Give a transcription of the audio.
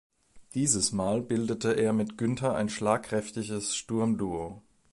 Dieses Mal bildete er mit Günther ein schlagkräftiges Sturmduo.